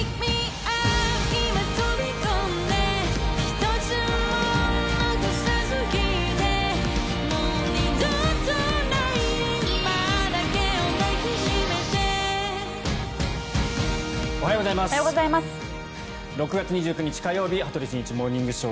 ６月２９日、火曜日「羽鳥慎一モーニングショー」。